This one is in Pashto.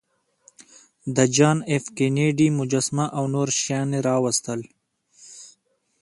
د جان ایف کینیډي مجسمه او نور شیان یې راویستل